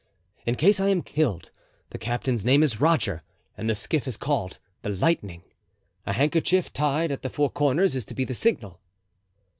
In case I am killed, the captain's name is Roger and the skiff is called the Lightning. A handkerchief, tied at the four corners, is to be the signal."